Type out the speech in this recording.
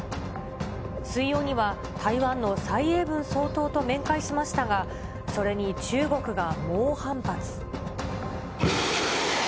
水曜には、台湾の蔡英文総統と面会しましたが、それに中国が猛反発。